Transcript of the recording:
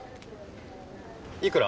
いくら？